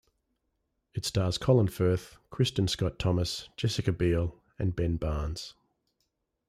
It stars Colin Firth, Kristin Scott Thomas, Jessica Biel and Ben Barnes.